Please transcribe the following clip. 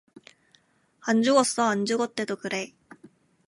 안 죽었어, 안 죽었대도 그래